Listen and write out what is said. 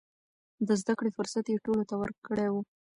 د زده کړې فرصت يې ټولو ته ورکړی و.